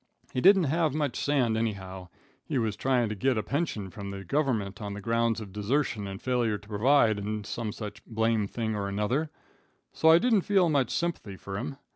He didn't have much sand anyhow. He was tryin' to git a pension from the government on the grounds of desertion and failure to provide, and some such a blame thing or another, so I didn't feel much sympathy fur him.